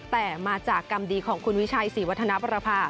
แต่มาจากกรรมดีของคุณวิชัยศรีวัฒนประภา